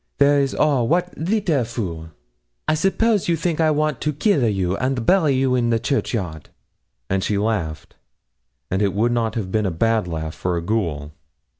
There is all! Wat leetle fool! I suppose you think I want to keel a you and bury you in the churchyard?' And she laughed, and it would not have been a bad laugh for a ghoul.